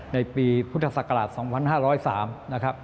ในปีพุทธศักราช๒๕๐๓